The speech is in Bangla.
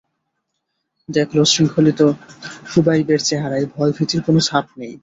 দেখল, শৃঙ্খলিত খুবাইবের চেহারায় ভয়-ভীতির কোন ছাপ নেই।